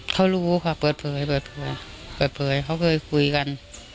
เค้ารู้ค่ะเปิดเผยเค้าเคยคุยกัน